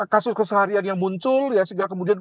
kasus keseharian yang muncul ya sehingga kemudian